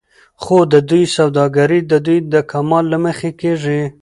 خو د دوى سوداګري د دوى د کمال له مخې کېږي